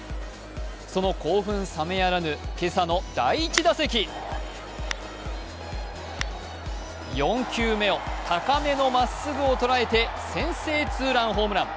その興奮冷めやらぬ今朝の第１打席４球目、高めのまっすぐをとらえて先制ホームラン。